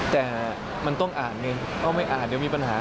แต่มันต้องอ่านหนึ่งก็ไม่อ่านเดี๋ยวมีปัญหา